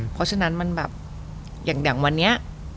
เพราะฉะนั้นมันแบบอย่างวันนี้